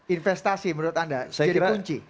investasi menurut anda jadi kunci